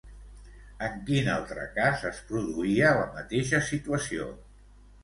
En quin altre cas es produïa la mateixa situació?